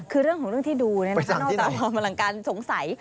คือเรื่องของเรื่องที่ดูนอกจากความอลังการสงสัย